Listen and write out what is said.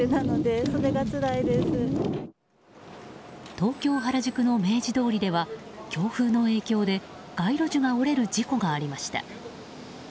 東京・原宿の明治通りでは強風の影響で街路樹が折れる事故がありました。